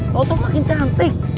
lo tuh makin cantik